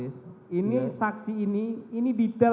ifrung saksi itu